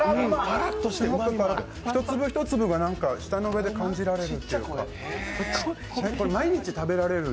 一粒一粒が舌の上で感じられる。